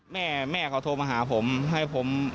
แม่แม่เขาโทรมาหาผมให้ผม